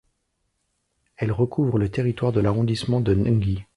Elle recouvre le territoire de l'arrondissement de Ngie.